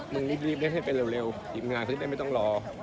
มึงรีบเล่นให้ไปเร็วทีมงานไม่ต้องรอ